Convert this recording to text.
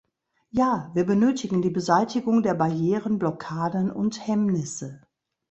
Ja, wir benötigen die Beseitigung der Barrieren, Blockaden und Hemmnisse.